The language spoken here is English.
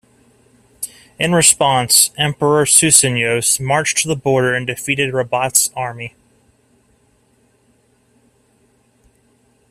In response, Emperor Susenyos marched to the border and defeated Rabat's army.